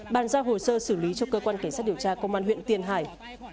bàn giao hồ sơ xử lý cho cơ quan cảnh sát điều tra công an huyện tiền hải